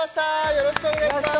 よろしくお願いします